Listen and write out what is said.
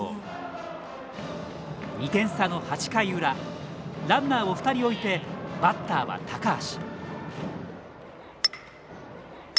２点差の８回裏ランナーを２人置いてバッターは高橋。